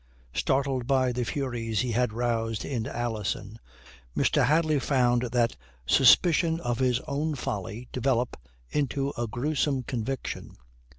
Startled by the furies he had roused in Alison, Mr. Hadley found that suspicion of his own folly develop into a gruesome conviction.